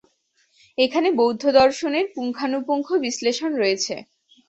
এখানে বৌদ্ধ দর্শনের পুঙ্খানুপুঙ্খ বিশ্লেষণ রয়েছে।